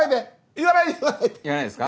言わないですか？